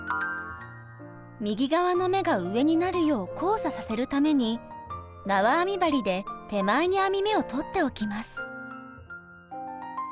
右側の目が上になるよう交差させるためになわ編み針で手前に編み目を取っておきます。